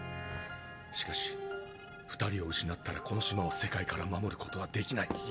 しかし二人を失ったらこの島を世界から守ることはできない。